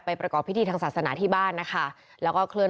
ประกอบพิธีทางศาสนาที่บ้านนะคะแล้วก็เคลื่อ